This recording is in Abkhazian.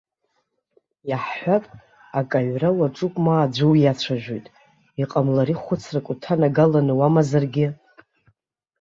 Иаҳҳәап, акы аҩра уаҿуп ма аӡәы уиацәажәоит, иҟамлари хәыцрак уҭанагаланы уамазаргьы.